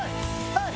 はい！